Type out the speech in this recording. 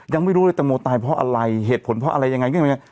ยังไม่รู้เลยแตงโมตายเพราะอะไรเหตุผลเพราะอะไรยังไง